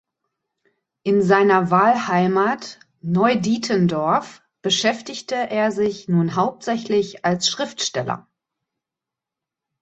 In seiner Wahlheimat Neudietendorf beschäftigte er sich nun hauptsächlich als Schriftsteller.